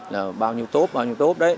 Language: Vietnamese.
là bao nhiêu tốp bao nhiêu tốp đấy